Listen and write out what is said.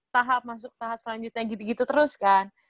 tahap masuk tahap selanjutnya gitu gitu terus kan